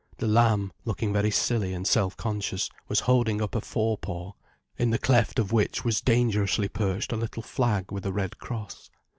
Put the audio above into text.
The lamb, looking very silly and self conscious, was holding up a forepaw, in the cleft of which was dangerously perched a little flag with a red cross.